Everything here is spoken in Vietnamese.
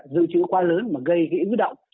dự trữ quá lớn mà gây cái ưu động